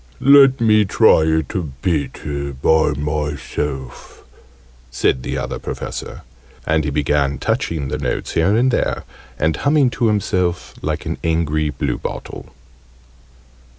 "Let me try it a bit by myself," said the Other Professor. And he began touching the notes here and there, and humming to himself like an angry bluebottle.